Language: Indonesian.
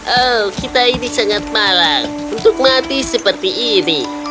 oh kita ini sangat malang untuk mati seperti ini